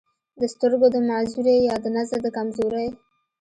دَسترګو دَمعذورۍ يا دَنظر دَکمزورۍ